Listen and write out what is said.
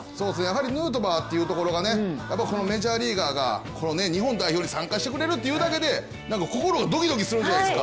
ヌートバーというところがメジャーリーガーが日本代表に参加してくれるというだけで心がドキドキするじゃないですか。